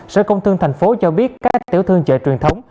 sở công thương thành phố cho biết các tiểu thương chợ truyền thống